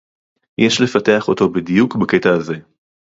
יש לפתח אותו בדיוק בקטע הזה